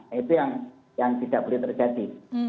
nah itu yang tidak boleh terjadi